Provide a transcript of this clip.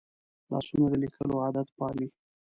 لاسونه د لیکلو عادت پالي